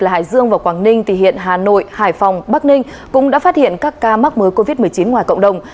hải dương và quảng ninh cũng đã phát hiện các ca mắc mới covid một mươi chín ngoài cộng đồng